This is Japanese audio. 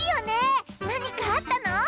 なにかあったの？